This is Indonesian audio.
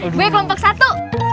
gue kelompok satu